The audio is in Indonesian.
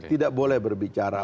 tidak boleh berbicara